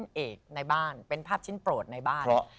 เอกในบ้านเป็นภาพชิ้นโปรดในบ้าน